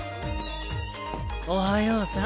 おはようさん。